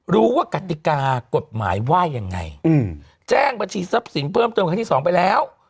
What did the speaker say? กติกากฎหมายว่ายังไงแจ้งบัญชีทรัพย์สินเพิ่มเติมครั้งที่สองไปแล้ว